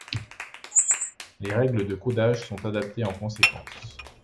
Les règles de codage sont adaptées en conséquence.